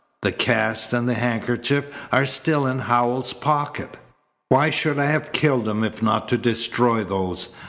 The cast and the handkerchief are still in Howells's pocket." "Why should I have killed him if not to destroy those?"